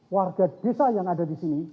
warga desa yang ada di sini